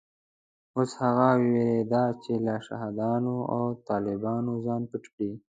اوس هغه وېرېده چې له شهادیانو او طالبانو ځان پټ کړي.